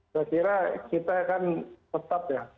kira kira kita kan tetap ya